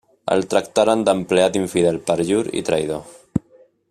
El tractaren d'empleat infidel, perjur i traïdor.